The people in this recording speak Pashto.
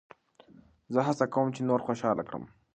زه هڅه کوم، چي نور خوشحاله کړم.